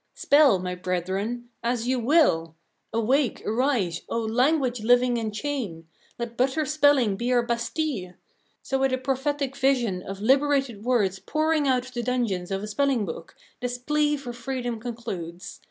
Spell, my brethren, as you will! Awake, arise, O language living in chains; let Butter's spelling be our Bastille! So with a prophetic vision of liberated words pouring out of the dungeons of a spelling book, this plea for freedom concludes.